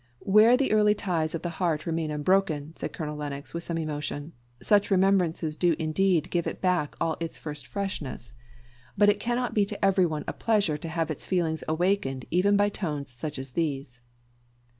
"Where the early ties of the heart remain unbroken," said Colonel Lennox, with some emotion, "such remembrances do indeed give it back all its first freshness; but it cannot be to everyone a pleasure to have its feelings awakened even by tones such as these."